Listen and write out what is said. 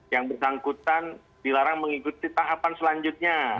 yang bersangkutan dilarang mengikuti tahapan selanjutnya